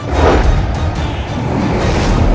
sama sama dengan kamu